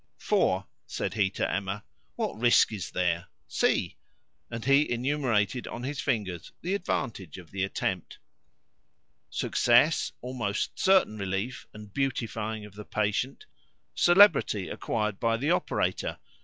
"For," said he to Emma, "what risk is there? See " (and he enumerated on his fingers the advantages of the attempt), "success, almost certain relief and beautifying of the patient, celebrity acquired by the operator.